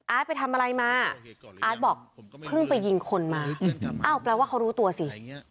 ไปทำอะไรมาอาร์ตบอกเพิ่งไปยิงคนมาอ้าวแปลว่าเขารู้ตัวสิ